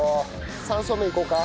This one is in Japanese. ３層目いこうか。